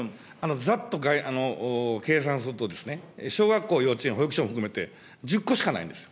ざっと計算すると、小学校、幼稚園、保育所も含めて１０個しかないんです。